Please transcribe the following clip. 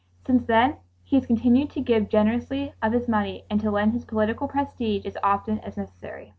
Since then he has continued to give generously of his money and to lend his political prestige as often as necessary.